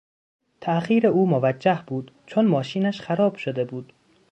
تاخیر او موجه بود چون ماشینش خراب شده بود.